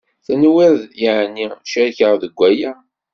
Tenwiḍ yeεni cerkeɣ deg aya?